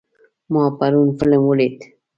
ما پرون فلم ولید.